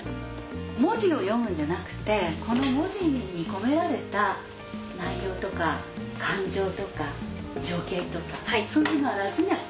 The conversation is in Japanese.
文字を読むんじゃなくてこの文字に込められた内容とか感情とか情景とかそういうものを表すには。